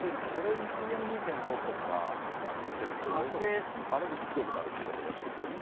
これにＰＭ２．５とかが混じってると、よけいアレルギーひどくなるという方いらっしゃいますよね。